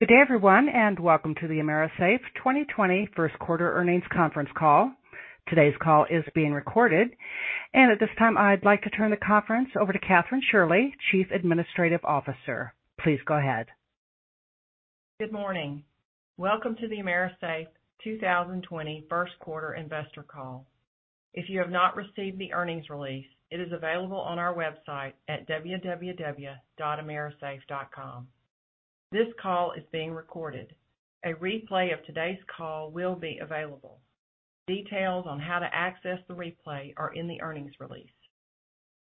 Good day everyone, welcome to the AMERISAFE 2020 first quarter earnings conference call. Today's call is being recorded. At this time, I'd like to turn the conference over to Kathryn Shirley, Chief Administrative Officer. Please go ahead. Good morning. Welcome to the AMERISAFE 2020 first quarter investor call. If you have not received the earnings release, it is available on our website at www.amerisafe.com. This call is being recorded. A replay of today's call will be available. Details on how to access the replay are in the earnings release.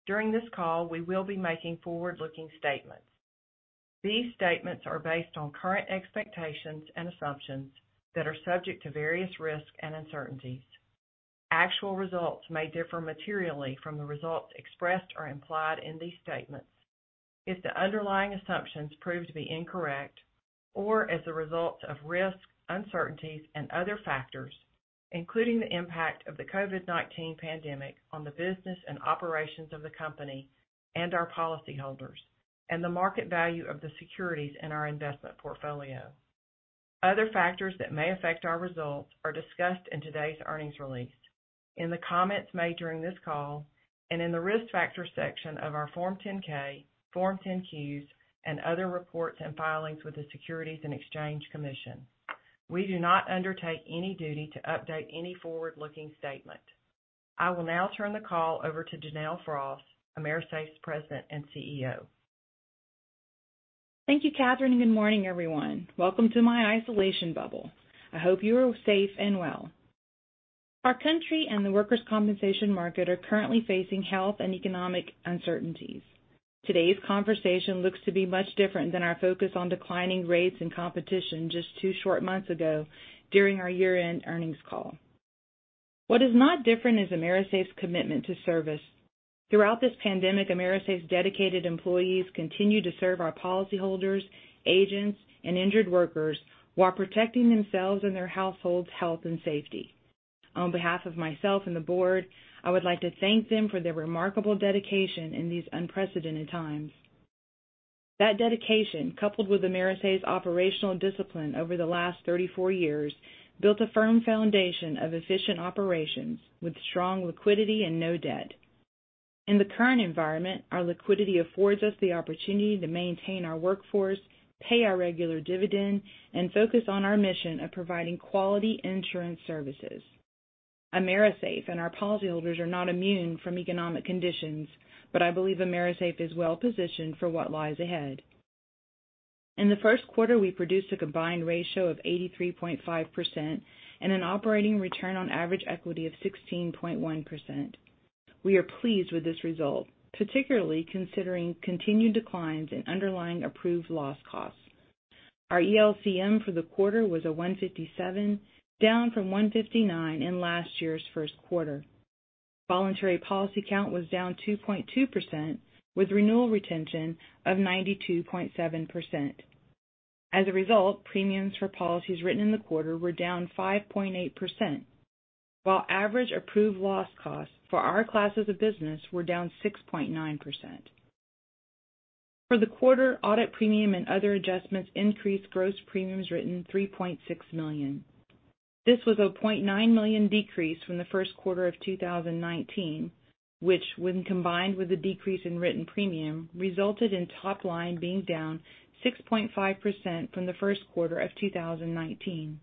During this call, we will be making forward-looking statements. These statements are based on current expectations and assumptions that are subject to various risks and uncertainties. Actual results may differ materially from the results expressed or implied in these statements. If the underlying assumptions prove to be incorrect or as a result of risks, uncertainties, and other factors, including the impact of the COVID-19 pandemic on the business and operations of the company and our policyholders and the market value of the securities in our investment portfolio. Other factors that may affect our results are discussed in today's earnings release, in the comments made during this call, and in the Risk Factors section of our Form 10-K, Form 10-Qs, and other reports and filings with the Securities and Exchange Commission. We do not undertake any duty to update any forward-looking statement. I will now turn the call over to Janelle Frost, AMERISAFE's President and CEO. Thank you, Kathryn, good morning, everyone. Welcome to my isolation bubble. I hope you are safe and well. Our country and the workers' compensation market are currently facing health and economic uncertainties. Today's conversation looks to be much different than our focus on declining rates and competition just two short months ago during our year-end earnings call. What is not different is AMERISAFE's commitment to service. Throughout this pandemic, AMERISAFE's dedicated employees continue to serve our policyholders, agents, and injured workers while protecting themselves and their households' health and safety. On behalf of myself and the board, I would like to thank them for their remarkable dedication in these unprecedented times. That dedication, coupled with AMERISAFE's operational discipline over the last 34 years, built a firm foundation of efficient operations with strong liquidity and no debt. In the current environment, our liquidity affords us the opportunity to maintain our workforce, pay our regular dividend, and focus on our mission of providing quality insurance services. AMERISAFE and our policyholders are not immune from economic conditions, but I believe AMERISAFE is well-positioned for what lies ahead. In the first quarter, we produced a combined ratio of 83.5% and an operating return on average equity of 16.1%. We are pleased with this result, particularly considering continued declines in underlying approved loss costs. Our ELCM for the quarter was a 157, down from 159 in last year's first quarter. Voluntary policy count was down 2.2%, with renewal retention of 92.7%. Premiums for policies written in the quarter were down 5.8%, while average approved loss costs for our classes of business were down 6.9%. For the quarter, audit premium and other adjustments increased gross premiums written $3.6 million. This was a $0.9 million decrease from the first quarter of 2019, which when combined with the decrease in written premium, resulted in top line being down 6.5% from the first quarter of 2019.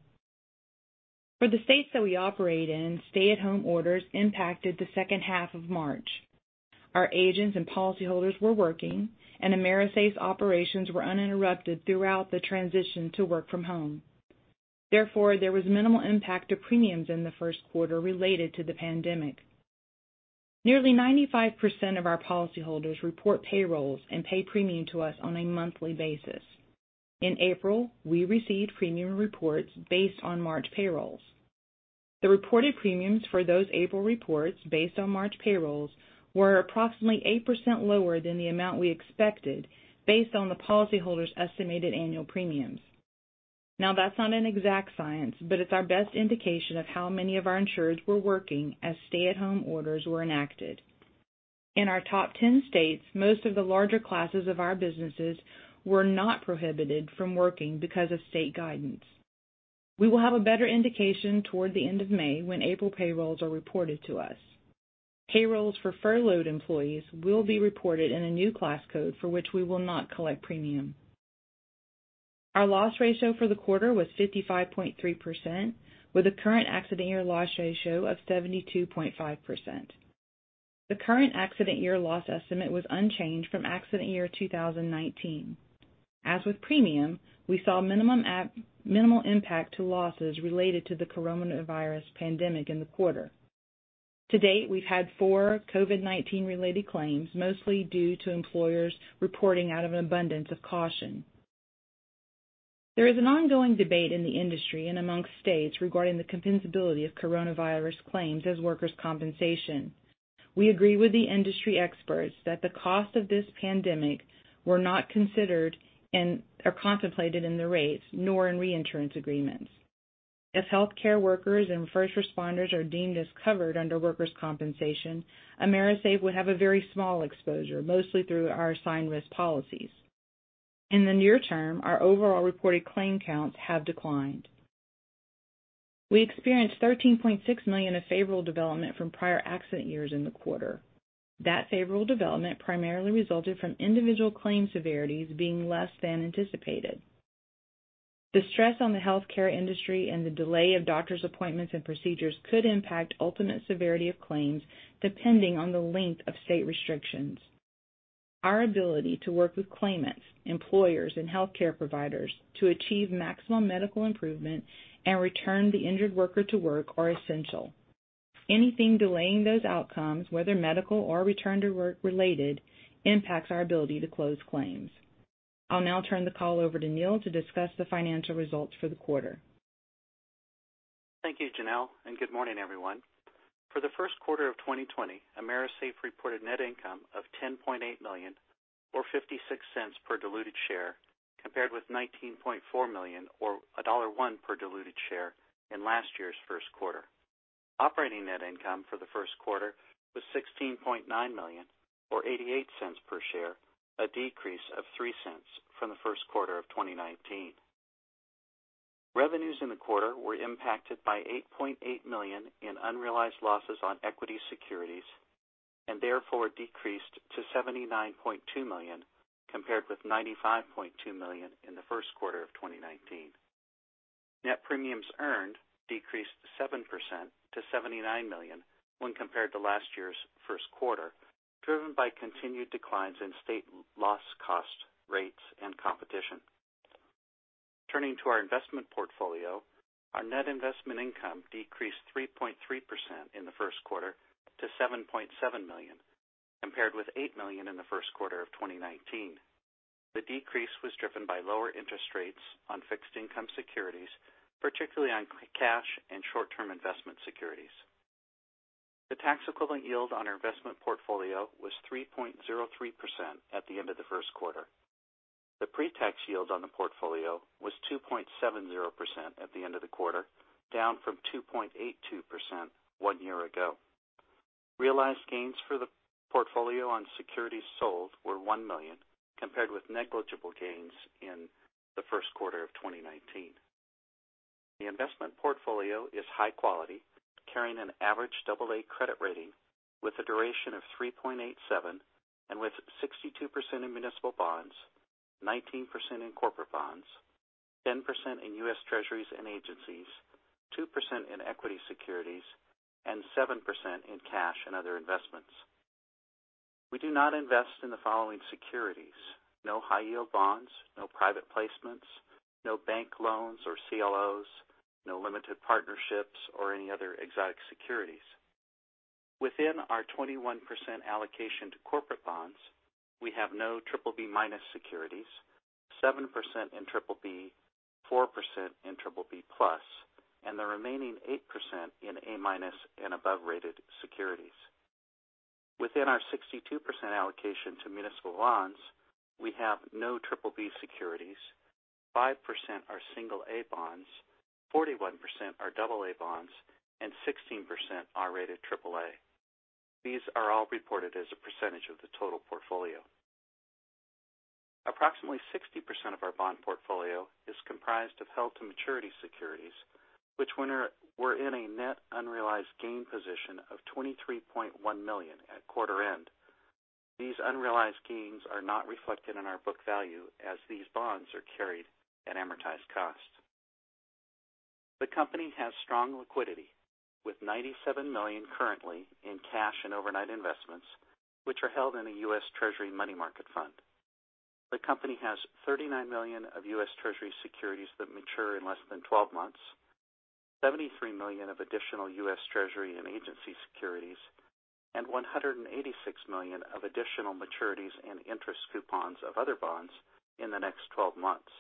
For the states that we operate in, stay-at-home orders impacted the second half of March. Our agents and policyholders were working, and AMERISAFE's operations were uninterrupted throughout the transition to work from home. There was minimal impact to premiums in the first quarter related to the pandemic. Nearly 95% of our policyholders report payrolls and pay premium to us on a monthly basis. In April, we received premium reports based on March payrolls. The reported premiums for those April reports based on March payrolls were approximately 8% lower than the amount we expected based on the policyholders' estimated annual premiums. That's not an exact science, but it's our best indication of how many of our insureds were working as stay-at-home orders were enacted. In our top 10 states, most of the larger classes of our businesses were not prohibited from working because of state guidance. We will have a better indication toward the end of May when April payrolls are reported to us. Payrolls for furloughed employees will be reported in a new class code for which we will not collect premium. Our loss ratio for the quarter was 55.3%, with a current accident year loss ratio of 72.5%. The current accident year loss estimate was unchanged from accident year 2019. As with premium, we saw minimal impact to losses related to the coronavirus pandemic in the quarter. To date, we've had four COVID-19 related claims, mostly due to employers reporting out of an abundance of caution. There is an ongoing debate in the industry and amongst states regarding the compensability of coronavirus claims as workers' compensation. We agree with the industry experts that the cost of this pandemic were not considered and are contemplated in the rates, nor in reinsurance agreements. If healthcare workers and first responders are deemed as covered under workers' compensation, AMERISAFE would have a very small exposure, mostly through our assigned risk policies. In the near term, our overall reported claim counts have declined. We experienced $13.6 million of favorable development from prior accident years in the quarter. That favorable development primarily resulted from individual claim severities being less than anticipated. The stress on the healthcare industry and the delay of doctor's appointments and procedures could impact ultimate severity of claims, depending on the length of state restrictions. Our ability to work with claimants, employers, and healthcare providers to achieve maximum medical improvement and return the injured worker to work are essential. Anything delaying those outcomes, whether medical or return-to-work related, impacts our ability to close claims. I'll now turn the call over to Neal to discuss the financial results for the quarter. Thank you, Janelle, and good morning, everyone. For the first quarter of 2020, AMERISAFE reported net income of $10.8 million or $0.56 per diluted share, compared with $19.4 million or $1.01 per diluted share in last year's first quarter. Operating net income for the first quarter was $16.9 million or $0.88 per share, a decrease of $0.03 from the first quarter of 2019. Revenues in the quarter were impacted by $8.8 million in unrealized losses on equity securities, therefore decreased to $79.2 million compared with $95.2 million in the first quarter of 2019. Net premiums earned decreased 7% to $79 million when compared to last year's first quarter, driven by continued declines in state loss cost rates and competition. Turning to our investment portfolio, our net investment income decreased 3.3% in the first quarter to $7.7 million, compared with $8 million in the first quarter of 2019. The decrease was driven by lower interest rates on fixed income securities, particularly on cash and short-term investment securities. The tax equivalent yield on our investment portfolio was 3.03% at the end of the first quarter. The pre-tax yield on the portfolio was 2.70% at the end of the quarter, down from 2.82% one year ago. Realized gains for the portfolio on securities sold were $1 million, compared with negligible gains in the first quarter of 2019. The investment portfolio is high quality, carrying an average double A credit rating with a duration of 3.87, with 62% in municipal bonds, 19% in corporate bonds, 10% in U.S. Treasuries and agencies, 2% in equity securities and 7% in cash and other investments. We do not invest in the following securities: no high-yield bonds, no private placements, no bank loans or CLOs, no limited partnerships or any other exotic securities. Within our 21% allocation to corporate bonds, we have no triple B minus securities, 7% in triple B, 4% in triple B plus, and the remaining 8% in A-minus and above-rated securities. Within our 62% allocation to municipal bonds, we have no triple B securities, 5% are single A bonds, 41% are double A bonds, and 16% are rated triple A. These are all reported as a percentage of the total portfolio. Approximately 60% of our bond portfolio is comprised of held-to-maturity securities, which were in a net unrealized gain position of $23.1 million at quarter end. These unrealized gains are not reflected in our book value as these bonds are carried at amortized cost. The company has strong liquidity with $97 million currently in cash and overnight investments, which are held in a U.S. Treasury money market fund. The company has $39 million of U.S. Treasury securities that mature in less than 12 months, $73 million of additional U.S. Treasury and agency securities, and $186 million of additional maturities and interest coupons of other bonds in the next 12 months.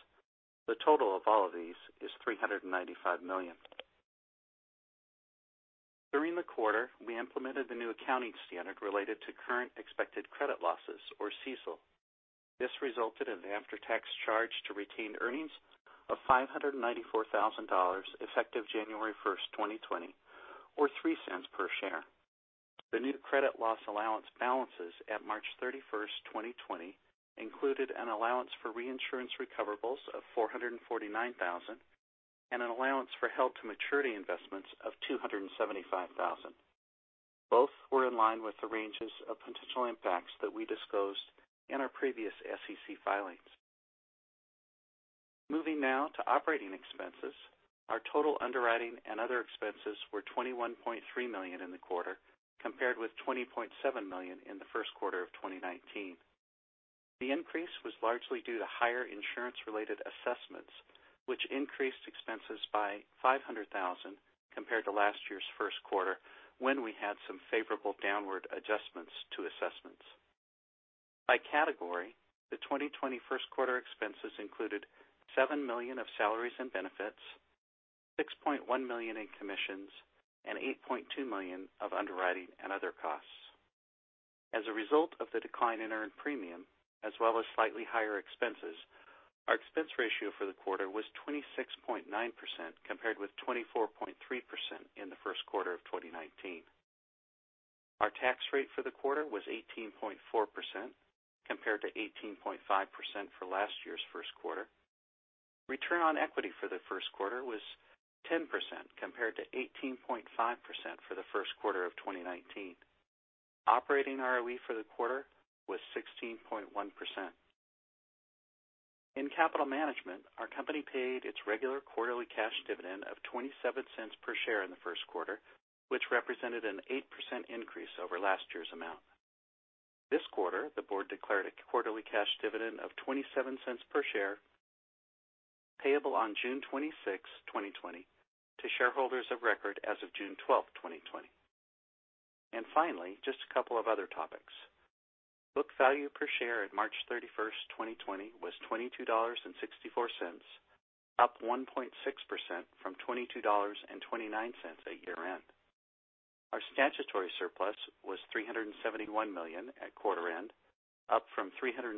The total of all of these is $395 million. During the quarter, we implemented the new accounting standard related to Current Expected Credit Losses or CECL. This resulted in the after-tax charge to retained earnings of $594,000 effective January 1st, 2020 or $0.03 per share. The new credit loss allowance balances at March 31st, 2020 included an allowance for reinsurance recoverables of $449,000 and an allowance for held-to-maturity investments of $275,000. Both were in line with the ranges of potential impacts that we disclosed in our previous SEC filings. Moving now to operating expenses. Our total underwriting and other expenses were $21.3 million in the quarter, compared with $20.7 million in the first quarter of 2019. The increase was largely due to higher insurance-related assessments, which increased expenses by $500,000 compared to last year's first quarter when we had some favorable downward adjustments to assessments. By category, the 2020 first quarter expenses included $7 million of salaries and benefits, $6.1 million in commissions, and $8.2 million of underwriting and other costs. As a result of the decline in earned premium, as well as slightly higher expenses, our expense ratio for the quarter was 26.9%, compared with 24.3% in the first quarter of 2019. Our tax rate for the quarter was 18.4%, compared to 18.5% for last year's first quarter. Return on equity for the first quarter was 10%, compared to 18.5% for the first quarter of 2019. Operating ROE for the quarter was 16.1%. In capital management, our company paid its regular quarterly cash dividend of $0.27 per share in the first quarter, which represented an 8% increase over last year's amount. This quarter, the board declared a quarterly cash dividend of $0.27 per share, payable on June 26, 2020, to shareholders of record as of June 12, 2020. Finally, just a couple of other topics. Book value per share at March 31st, 2020, was $22.64, up 1.6% from $22.29 at year-end. Our statutory surplus was $371 million at quarter end, up from $360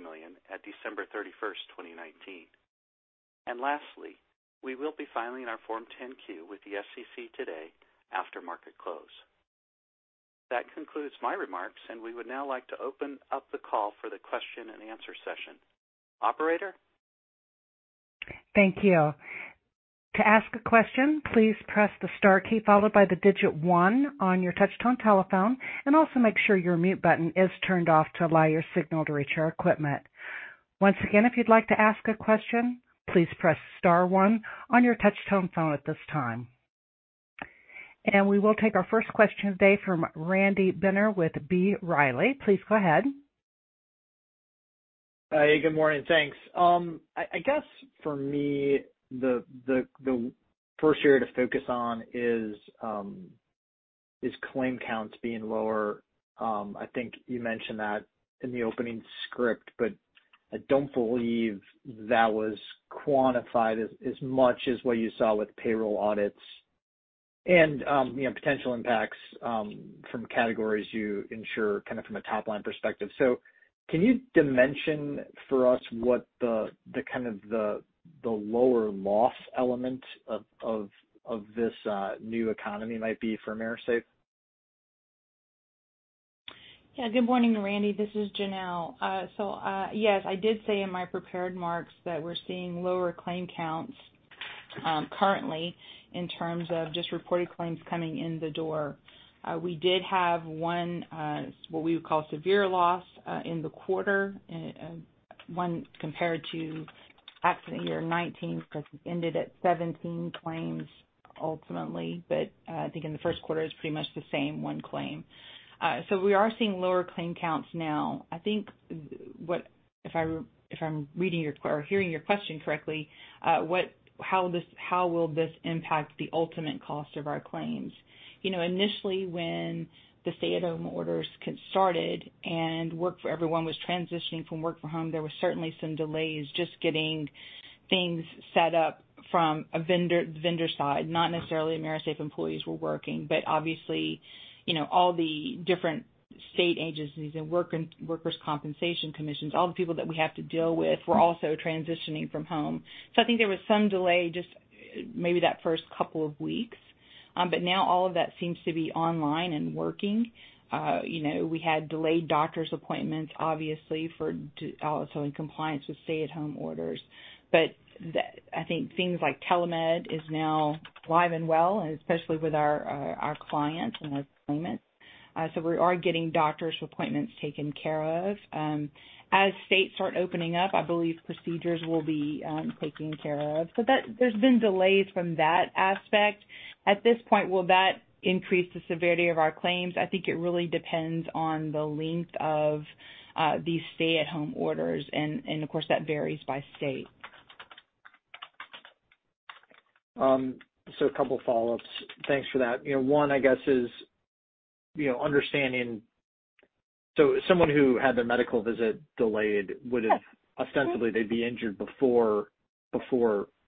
million at December 31st, 2019. Lastly, we will be filing our Form 10-Q with the SEC today after market close. That concludes my remarks. We would now like to open up the call for the question and answer session. Operator? Thank you. To ask a question, please press the star key followed by the digit one on your touch-tone telephone, also make sure your mute button is turned off to allow your signal to reach our equipment. Once again, if you'd like to ask a question, please press star one on your touch-tone phone at this time. We will take our first question today from Randy Binner with B. Riley. Please go ahead. Hey, good morning. Thanks. I guess for me, the first area to focus on is claim counts being lower. I think you mentioned that in the opening script, but I don't believe that was quantified as much as what you saw with payroll audits and potential impacts from categories you insure from a top-line perspective. Can you dimension for us what the lower loss element of this new economy might be for AMERISAFE? Yeah. Good morning, Randy. This is Janelle. Yes, I did say in my prepared remarks that we're seeing lower claim counts currently in terms of just reported claims coming in the door. We did have one, what we would call severe loss in the quarter, one compared to accident year 2019, because it ended at 17 claims ultimately. I think in the first quarter, it's pretty much the same, one claim. We are seeing lower claim counts now. I think if I'm hearing your question correctly, how will this impact the ultimate cost of our claims? Initially, when the stay-at-home orders started and everyone was transitioning from work from home, there were certainly some delays just getting things set up from a vendor side, not necessarily AMERISAFE employees were working, but obviously, all the different state agencies and workers' compensation commissions, all the people that we have to deal with, were also transitioning from home. I think there was some delay just maybe that first couple of weeks. Now all of that seems to be online and working. We had delayed doctor's appointments, obviously, also in compliance with stay-at-home orders. I think things like Telemed is now live and well, especially with our clients and our claimants. We are getting doctor's appointments taken care of. As states start opening up, I believe procedures will be taken care of. There's been delays from that aspect. At this point, will that increase the severity of our claims? I think it really depends on the length of these stay-at-home orders, and of course, that varies by state. A couple of follow-ups. Thanks for that. One, I guess, is understanding, someone who had their medical visit delayed would've ostensibly they'd be injured before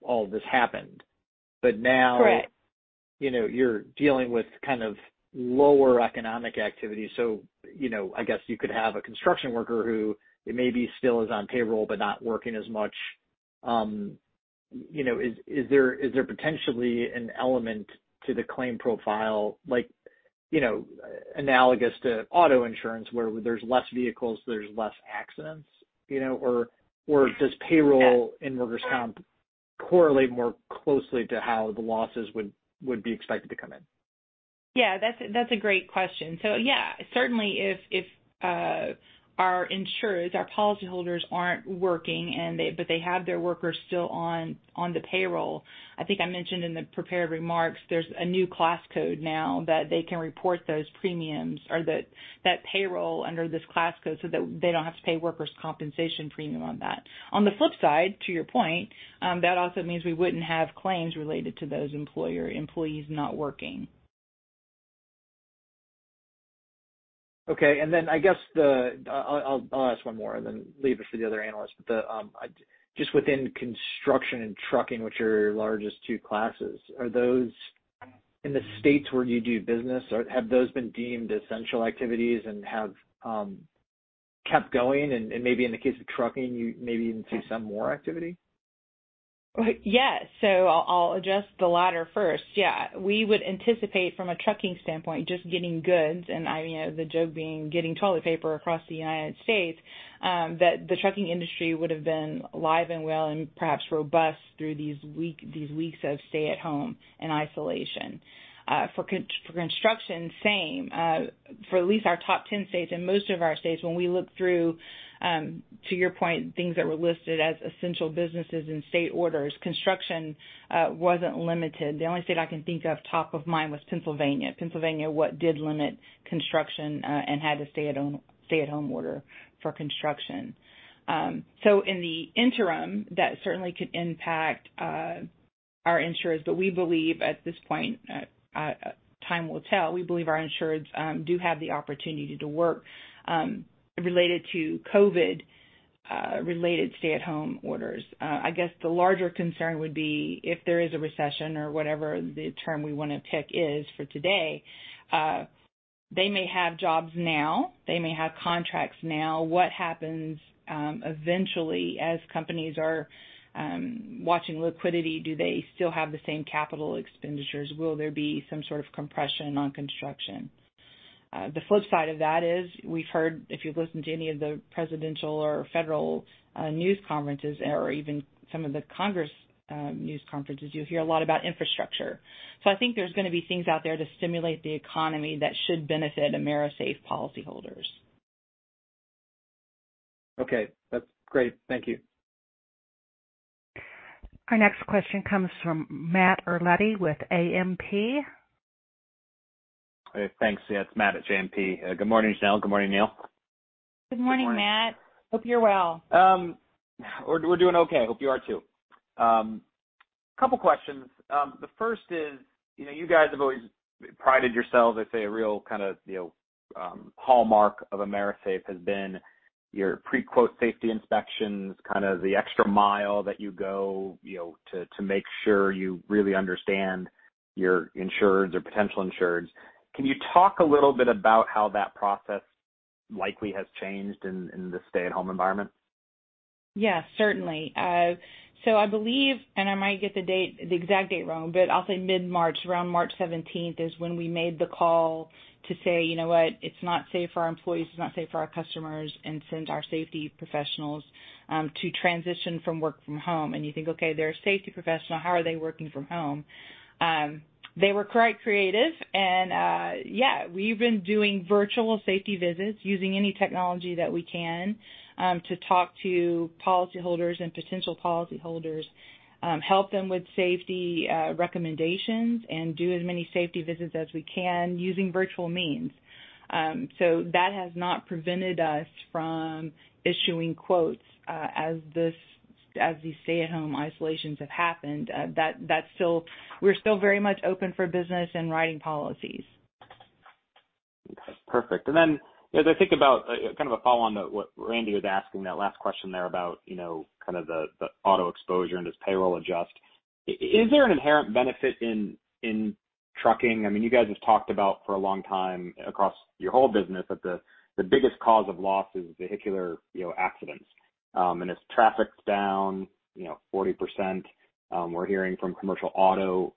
all this happened. Correct you're dealing with lower economic activity. I guess you could have a construction worker who maybe still is on payroll but not working as much. Is there potentially an element to the claim profile, analogous to auto insurance, where there's less vehicles, there's less accidents? Or does payroll and workers' comp correlate more closely to how the losses would be expected to come in? Yeah. That's a great question. Yeah, certainly if our insureds, our policyholders, aren't working, but they have their workers still on the payroll, I think I mentioned in the prepared remarks, there's a new class code now that they can report those premiums or that payroll under this class code so that they don't have to pay workers' compensation premium on that. On the flip side, to your point, that also means we wouldn't have claims related to those employer employees not working. Okay. I guess I'll ask one more and then leave it for the other analysts. Just within construction and trucking, which are your largest two classes, are those in the states where you do business, have those been deemed essential activities and have kept going, and maybe in the case of trucking, you maybe even see some more activity? Yes. I'll address the latter first. Yeah, we would anticipate from a trucking standpoint, just getting goods and the joke being getting toilet paper across the U.S., that the trucking industry would've been alive and well and perhaps robust through these weeks of stay-at-home and isolation. For construction, same. For at least our top 10 states and most of our states, when we look through, to your point, things that were listed as essential businesses in state orders, construction wasn't limited. The only state I can think of top of mind was Pennsylvania. Pennsylvania was what did limit construction and had a stay-at-home order for construction. In the interim, that certainly could impact our insureds, but we believe at this point, time will tell. We believe our insureds do have the opportunity to work, related to COVID-related stay-at-home orders. I guess the larger concern would be if there is a recession or whatever the term we want to pick is for today, they may have jobs now. They may have contracts now. What happens eventually as companies are watching liquidity? Do they still have the same capital expenditures? Will there be some sort of compression on construction? The flip side of that is we've heard, if you've listened to any of the presidential or federal news conferences or even some of the Congress news conferences, you'll hear a lot about infrastructure. I think there's going to be things out there to stimulate the economy that should benefit AMERISAFE policyholders. Okay. That's great. Thank you. Our next question comes from Matthew Carletti with JMP. Thanks. Yeah, it's Matt at JMP. Good morning, Janelle. Good morning, Neal. Good morning, Matt. Hope you're well. We're doing okay. Hope you are, too. Couple questions. The first is, you guys have always prided yourselves, I'd say, a real kind of hallmark of AMERISAFE has been your pre-quote safety inspections, kind of the extra mile that you go to make sure you really understand your insureds or potential insureds. Can you talk a little bit about how that process likely has changed in this stay-at-home environment? Yes, certainly. I believe, and I might get the exact date wrong, but I'll say mid-March, around March 17th, is when we made the call to say, "You know what? It's not safe for our employees, it's not safe for our customers," and send our safety professionals to transition from work from home. You think, okay, they're a safety professional. How are they working from home? They were quite creative. Yeah, we've been doing virtual safety visits using any technology that we can to talk to policyholders and potential policyholders, help them with safety recommendations, and do as many safety visits as we can using virtual means. That has not prevented us from issuing quotes as these stay-at-home isolations have happened. We're still very much open for business and writing policies. Okay, perfect. Then as I think about kind of a follow-on to what Randy was asking, that last question there about the auto exposure and does payroll adjust. Is there an inherent benefit in trucking? You guys have talked about for a long time across your whole business that the biggest cause of loss is vehicular accidents. As traffic's down 40%, we're hearing from commercial auto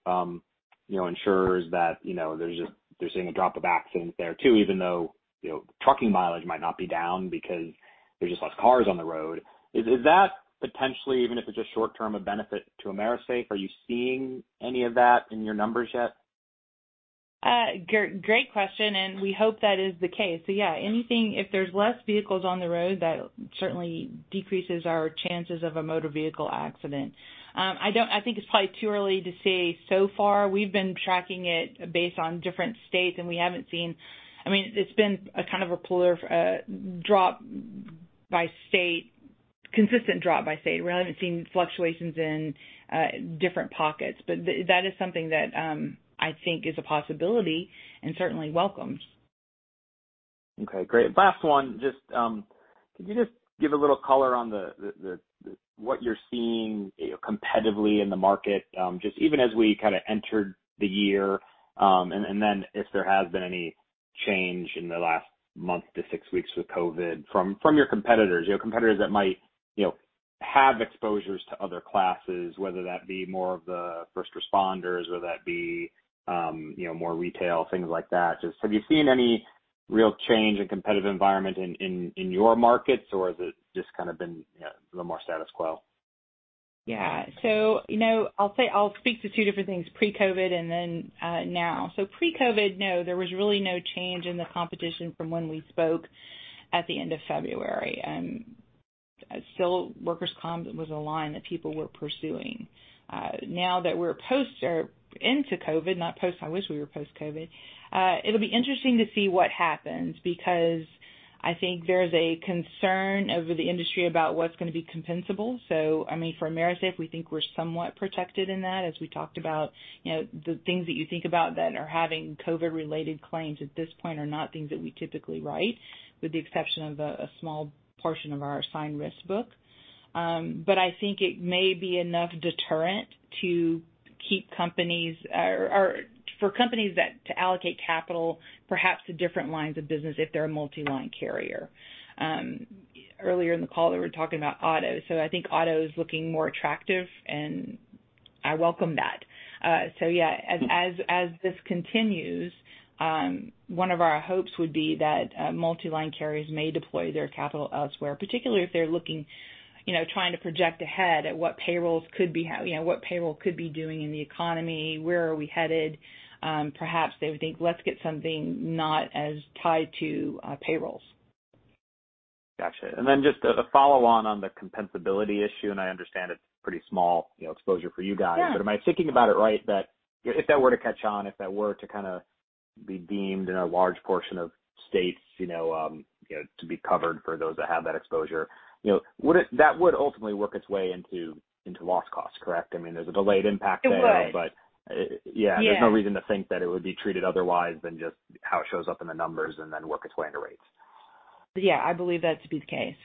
insurers that they're seeing a drop of accidents there, too, even though trucking mileage might not be down because there's just less cars on the road. Is that potentially, even if it's just short-term, a benefit to AMERISAFE? Are you seeing any of that in your numbers yet? Great question. We hope that is the case. Yeah, if there's less vehicles on the road, that certainly decreases our chances of a motor vehicle accident. I think it's probably too early to say. So far, we've been tracking it based on different states. We haven't seen. It's been a kind of a drop by state, consistent drop by state. We really haven't seen fluctuations in different pockets. That is something that I think is a possibility and certainly welcomed. Okay, great. Last one. Could you just give a little color on what you're seeing competitively in the market, just even as we kind of entered the year. Then if there has been any change in the last month to six weeks with COVID from your competitors. Competitors that might have exposures to other classes, whether that be more of the first responders, whether that be more retail, things like that. Just have you seen any real change in competitive environment in your markets, or has it just kind of been a little more status quo? Yeah. I'll speak to two different things, pre-COVID and now. Pre-COVID, no, there was really no change in the competition from when we spoke at the end of February. Still, workers' comp was a line that people were pursuing. Now that we're into COVID, not post, I wish we were post-COVID, it'll be interesting to see what happens because I think there's a concern over the industry about what's going to be compensable. I mean, for AMERISAFE, we think we're somewhat protected in that as we talked about the things that you think about that are having COVID-related claims at this point are not things that we typically write, with the exception of a small portion of our assigned risk book. I think it may be enough deterrent to keep companies or for companies to allocate capital perhaps to different lines of business if they're a multi-line carrier. Earlier in the call, they were talking about auto. I think auto is looking more attractive, and I welcome that. Yeah, as this continues, one of our hopes would be that multi-line carriers may deploy their capital elsewhere, particularly if they're trying to project ahead at what payroll could be doing in the economy, where are we headed. Perhaps they would think, let's get something not as tied to payrolls. Got you. Just a follow-on the compensability issue, and I understand it's pretty small exposure for you guys. Yeah. Am I thinking about it right? That if that were to catch on, if that were to be deemed in a large portion of states, to be covered for those that have that exposure, that would ultimately work its way into loss cost, correct? I mean, there's a delayed impact there. It would. Yeah. Yeah. There's no reason to think that it would be treated otherwise than just how it shows up in the numbers and then work its way into rates. Yeah, I believe that to be the case.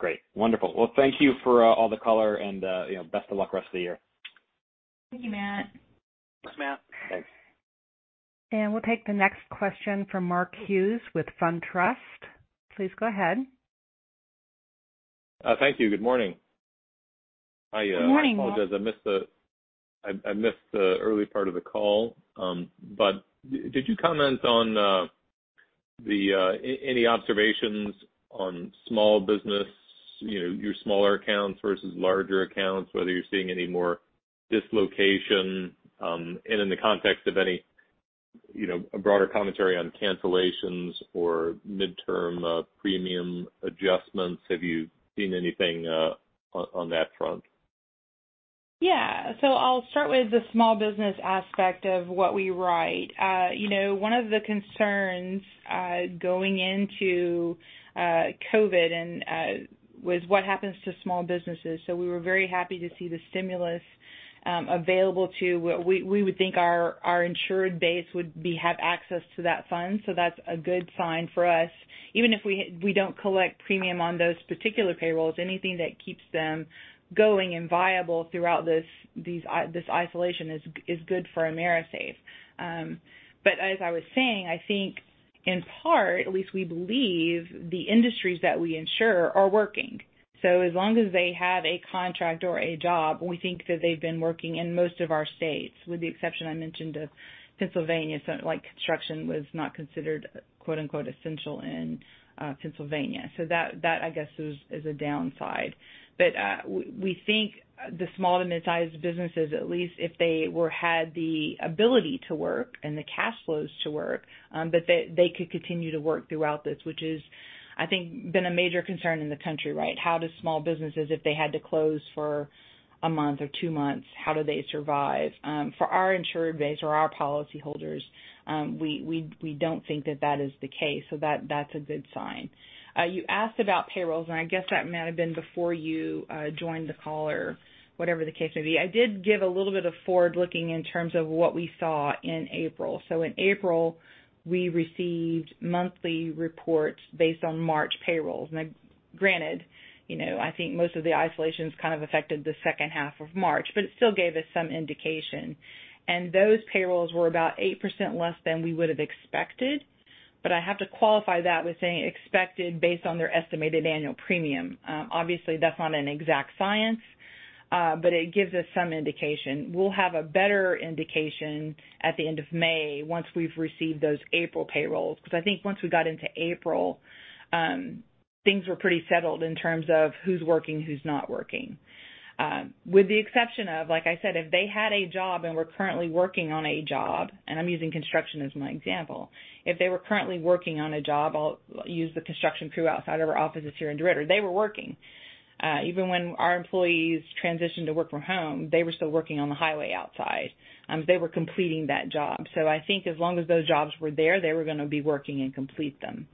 Great. Wonderful. Well, thank you for all the color, best of luck rest of the year. Thank you, Matt. Thanks, Matt. Thanks. We'll take the next question from Mark Hughes with Truist Securities. Please go ahead. Thank you. Good morning. Good morning, Mark. I apologize, I missed the early part of the call. Did you comment on any observations on small business, your smaller accounts versus larger accounts, whether you're seeing any more dislocation, and in the context of any broader commentary on cancellations or midterm premium adjustments, have you seen anything on that front? Yeah. I'll start with the small business aspect of what we write. One of the concerns going into COVID was what happens to small businesses. We were very happy to see the stimulus available to what we would think our insured base would have access to that fund. That's a good sign for us. Even if we don't collect premium on those particular payrolls, anything that keeps them going and viable throughout this isolation is good for AMERISAFE. As I was saying, I think in part, at least we believe the industries that we insure are working. As long as they have a contract or a job, we think that they've been working in most of our states, with the exception I mentioned of Pennsylvania. Construction was not considered quote unquote essential in Pennsylvania. That I guess is a downside. We think the small to mid-sized businesses, at least if they had the ability to work and the cash flows to work, that they could continue to work throughout this, which is, I think, been a major concern in the country, right? How do small businesses, if they had to close for a month or two months, how do they survive? For our insured base or our policyholders, we don't think that that is the case. That's a good sign. You asked about payrolls, I guess that might have been before you joined the call or whatever the case may be. I did give a little bit of forward-looking in terms of what we saw in April. In April, we received monthly reports based on March payrolls. Granted, I think most of the isolation's kind of affected the second half of March, but it still gave us some indication. Those payrolls were about 8% less than we would've expected, but I have to qualify that with saying expected based on their estimated annual premium. Obviously, that's not an exact science, but it gives us some indication. We'll have a better indication at the end of May once we've received those April payrolls, because I think once we got into April, things were pretty settled in terms of who's working, who's not working. With the exception of, like I said, if they had a job and were currently working on a job, and I'm using construction as my example, if they were currently working on a job, I'll use the construction crew outside of our offices here in DeRidder. They were working. Even when our employees transitioned to work from home, they were still working on the highway outside. They were completing that job. I think as long as those jobs were there, they were going to be working and complete them.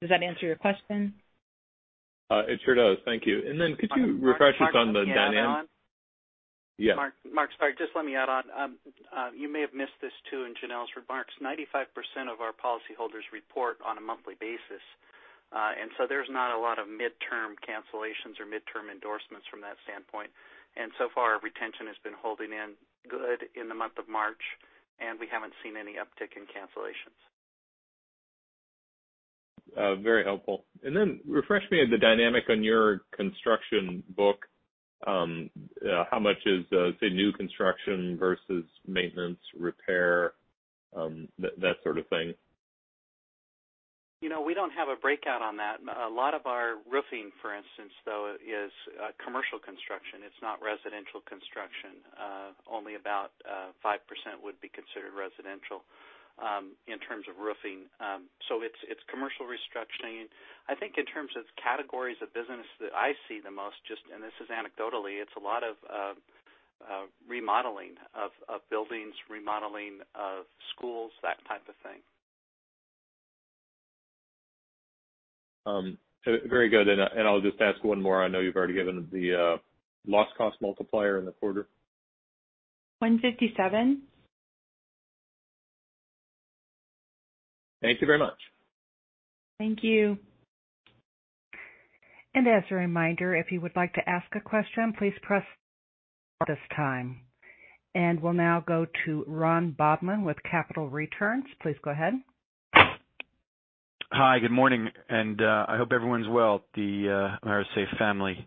Does that answer your question? It sure does. Thank you. Could you refresh us on the dynamic? Mark, can I add on? Yeah. Mark, sorry, just let me add on. You may have missed this too in Janelle's remarks. 95% of our policyholders report on a monthly basis. There's not a lot of midterm cancellations or midterm endorsements from that standpoint. So far, our retention has been holding in good in the month of March, and we haven't seen any uptick in cancellations. Very helpful. Refresh me on the dynamic on your construction book. How much is, say, new construction versus maintenance, repair, that sort of thing? We don't have a breakout on that. A lot of our roofing, for instance, though, is commercial construction. It's not residential construction. Only about 5% would be considered residential in terms of roofing. It's commercial restructuring. I think in terms of categories of business that I see the most, this is anecdotally, it's a lot of remodeling of buildings, remodeling of schools, that type of thing. Very good. I'll just ask one more. I know you've already given the loss cost multiplier in the quarter. 157 Thank you very much. Thank you. As a reminder, if you would like to ask a question, please press this time. We'll now go to Ron Bobman with Capital Returns. Please go ahead. Hi. Good morning, and I hope everyone's well. The AMERISAFE family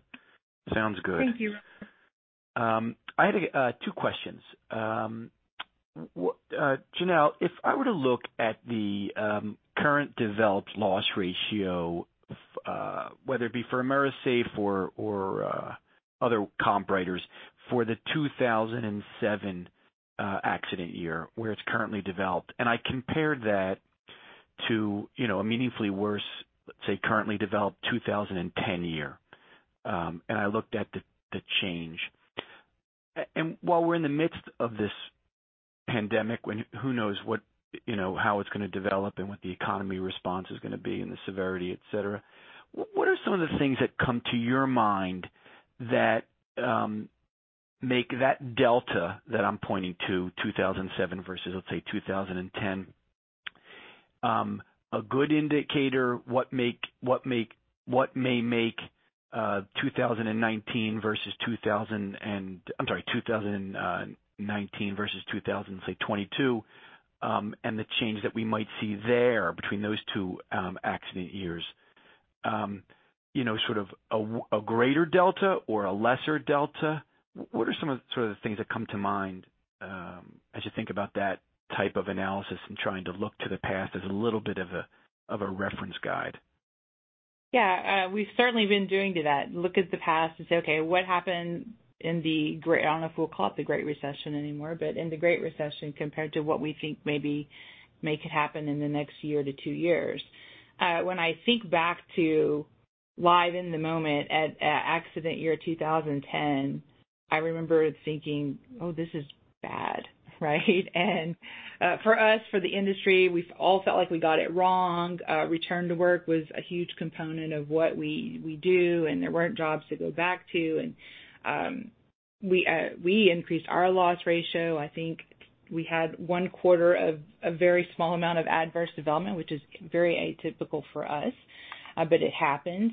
sounds good. Thank you. I had two questions. Janelle, if I were to look at the current developed loss ratio, whether it be for AMERISAFE or other comp writers for the 2007 accident year where it's currently developed, and I compared that to a meaningfully worse, let's say, currently developed 2010 year. I looked at the change. While we're in the midst of this pandemic, who knows how it's going to develop and what the economy response is going to be and the severity, et cetera. What are some of the things that come to your mind that make that delta that I'm pointing to, 2007 versus, let's say, 2010 a good indicator what may make 2019 versus 2022 and the change that we might see there between those two accident years. Sort of a greater delta or a lesser delta? What are some of the things that come to mind as you think about that type of analysis and trying to look to the past as a little bit of a reference guide? Yeah. We've certainly been doing that. Look at the past and say, okay, what happened in the, I don't know if we'll call it the Great Recession anymore, but in the Great Recession compared to what we think maybe may could happen in the next year to 2 years. When I think back to live in the moment at accident year 2010, I remember thinking, "Oh, this is bad." Right? For us, for the industry, we all felt like we got it wrong. Return to work was a huge component of what we do, and there weren't jobs to go back to. We increased our loss ratio. I think we had one quarter of a very small amount of adverse development, which is very atypical for us. It happened.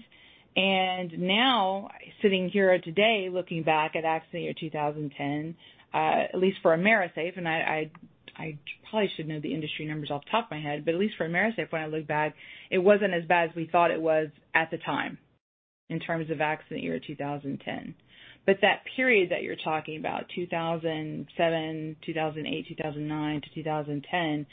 Now sitting here today looking back at accident year 2010, at least for AMERISAFE, and I probably should know the industry numbers off the top of my head, but at least for AMERISAFE, when I look back, it wasn't as bad as we thought it was at the time in terms of accident year 2010. That period that you're talking about, 2007, 2008, 2009 to 2010,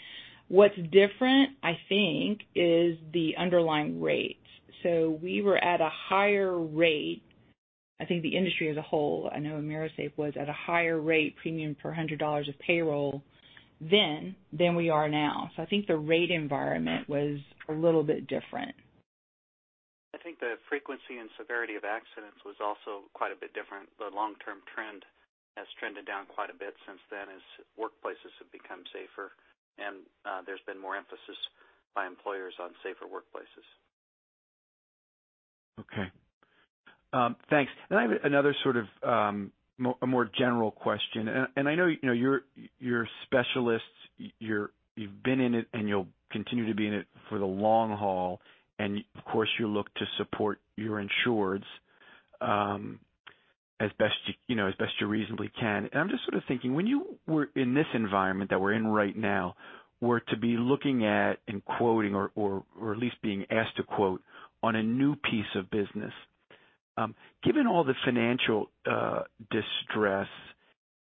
what's different, I think, is the underlying rate. We were at a higher rate. I think the industry as a whole, I know AMERISAFE was at a higher rate premium per $100 of payroll then than we are now. I think the rate environment was a little bit different. I think the frequency and severity of accidents was also quite a bit different. The long-term trend has trended down quite a bit since then as workplaces have become safer and there's been more emphasis by employers on safer workplaces. Okay. Thanks. I have another sort of a more general question, and I know you're specialists. You've been in it, and you'll continue to be in it for the long haul, and of course, you look to support your insureds as best you reasonably can. I'm just sort of thinking, when you were in this environment that we're in right now, were to be looking at and quoting or at least being asked to quote on a new piece of business. Given all the financial distress,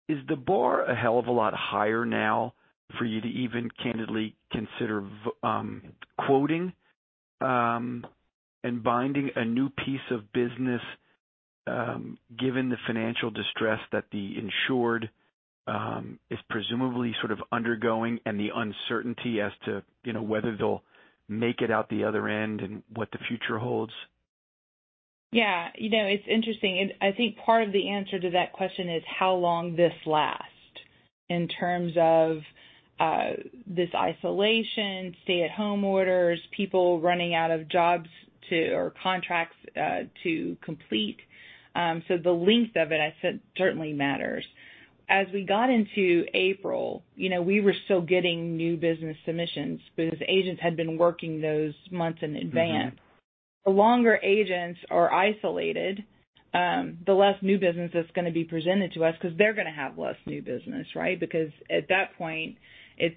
is the bar a hell of a lot higher now for you to even candidly consider quoting and binding a new piece of business given the financial distress that the insured is presumably sort of undergoing and the uncertainty as to whether they'll make it out the other end and what the future holds? Yeah. It's interesting. I think part of the answer to that question is how long this lasts in terms of this isolation, stay at home orders, people running out of jobs or contracts to complete. The length of it certainly matters. As we got into April, we were still getting new business submissions because agents had been working those months in advance. The longer agents are isolated, the less new business is going to be presented to us because they're going to have less new business, right? Because at that point,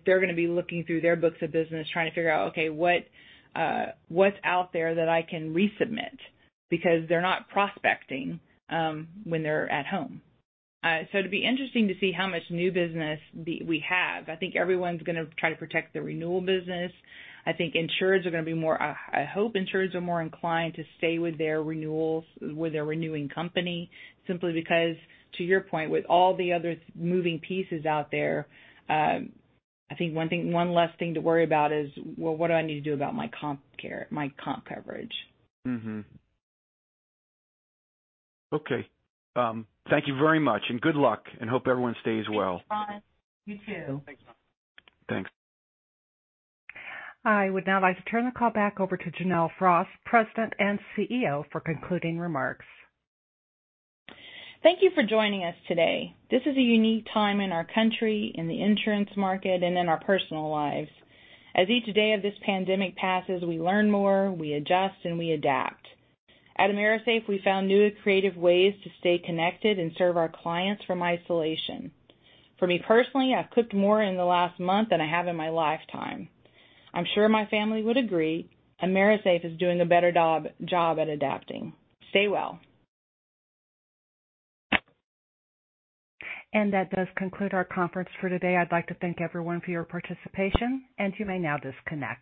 they're going to be looking through their books of business trying to figure out, okay, what's out there that I can resubmit because they're not prospecting when they're at home. It'll be interesting to see how much new business we have. I think everyone's going to try to protect the renewal business. I hope insurers are more inclined to stay with their renewals, with their renewing company simply because, to your point, with all the other moving pieces out there, I think one less thing to worry about is, well, what do I need to do about my comp coverage? Mm-hmm. Okay. Thank you very much and good luck and hope everyone stays well. Thanks, Ron. You, too. Thanks, Ron. Thanks. I would now like to turn the call back over to Janelle Frost, President and CEO, for concluding remarks. Thank you for joining us today. This is a unique time in our country, in the insurance market, and in our personal lives. As each day of this pandemic passes, we learn more, we adjust, and we adapt. At AMERISAFE, we found new and creative ways to stay connected and serve our clients from isolation. For me, personally, I've cooked more in the last month than I have in my lifetime. I'm sure my family would agree. AMERISAFE is doing a better job at adapting. Stay well. That does conclude our conference for today. I'd like to thank everyone for your participation, and you may now disconnect.